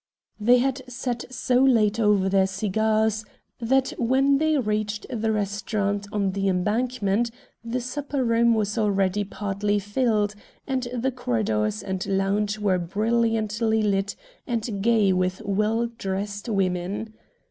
They had sat so late over their cigars that when they reached the restaurant on the Embankment the supper room was already partly filled, and the corridors and lounge were brilliantly lit and gay with well dressed women.